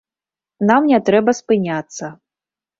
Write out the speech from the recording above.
Нам не трэба спыняцца.